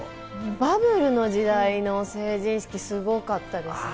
バブルの時代の成人式、すごかったですね。